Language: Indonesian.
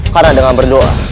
karena dengan berdoa